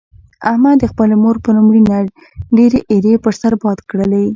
احمد د خپلې مور پر مړینه ډېرې ایرې پر سر باد کړلې.